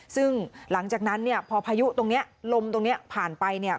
ซึ่งหลังจากนั้นเนี่ยพอพายุตรงนี้ลมตรงนี้ผ่านไปเนี่ย